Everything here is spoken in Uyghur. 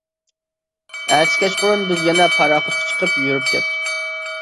ئەتىسى كەچقۇرۇن بىز يەنە پاراخوتقا چىقىپ يۈرۈپ كەتتۇق.